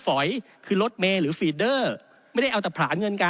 ก็คือรถเมร์หรือฟีดเดอร์